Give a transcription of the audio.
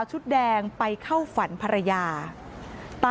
เมื่อเวลาอันดับ